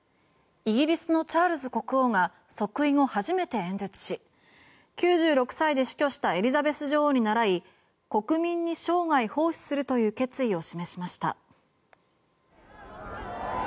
イギリスのチャールズ国王が即位後初めて演説し９６歳で死去したエリザベス女王に倣い国民に生涯奉仕するという決意を示しました。